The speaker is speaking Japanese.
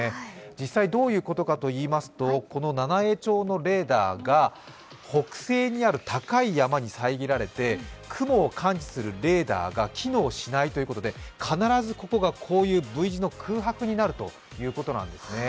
実際どういうことかといいますとこの七飯町のレーダーが、北西にある高い山に遮られて、雲を感知するレーダーが機能しないということで必ずここがＶ字の空白になるということなんですね。